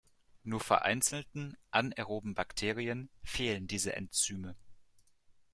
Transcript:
Nur vereinzelten anaeroben Bakterien fehlen diese Enzyme.